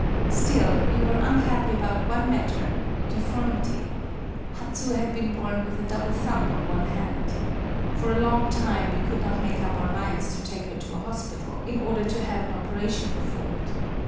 Still, we were unhappy about one matter, — a deft)rmity : Hatsu had been born with a double thumb on one hand. For a long time we could not make up our minds to take her to a hospital, in order to have an operation performed.